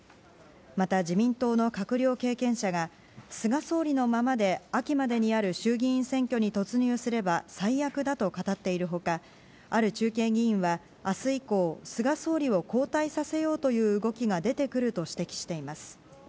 また、自民党の閣僚経験者が菅総理のままで秋までにある衆議院選挙に突入すれば最悪だと語っている他ある中堅議員は明日以降菅総理を交代させようという動きが出てくると指摘しています。